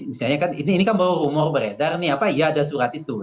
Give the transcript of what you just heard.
misalnya kan ini kan baru rumor beredar nih apa ya ada surat itu